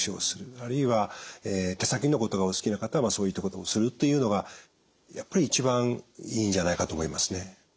あるいは手先のことがお好きな方はそういったことをするというのがやっぱり一番いいんじゃないかと思いますね。